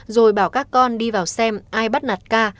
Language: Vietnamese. rồi bảo các con đi vào xem ai bắt nạt ca